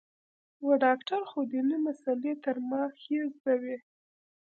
و ډاکتر خو ديني مسالې يې تر ما ښې زده وې.